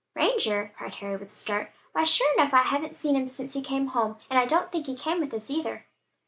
"Ranger?" cried Harry with a start, "why sure enough, I haven't seen him since he came home! and I don't think he came with us either."